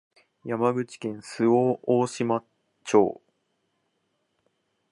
山口県周防大島町